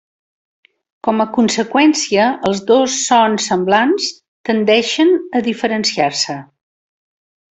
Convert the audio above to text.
Com a conseqüència, els dos sons semblants tendeixen a diferenciar-se.